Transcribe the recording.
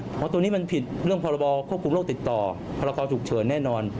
เพราะตัวนี้มันผิดเรื่องพรบควบคุมโรคติดต่อพรกรฉุกเฉินแน่นอน